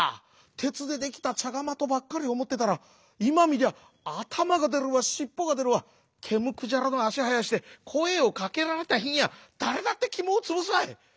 てつでできたちゃがまとばっかりおもってたらいまみりゃあたまがでるわしっぽがでるわけむくじゃらのあしはやしてこえをかけられたひにゃだれだってきもをつぶすわい。